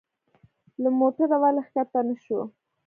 له موټره ولي کښته نه شو؟